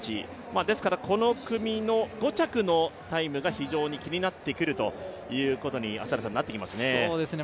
この組の５着のタイムが非常に気になってくるということになってきますね。